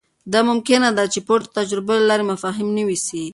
دا ممکنه ده چې د پورته تجربو له لارې مفاهیم نوي سي.